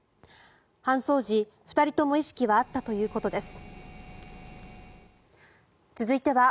搬送時、２人とも意識はあったということです。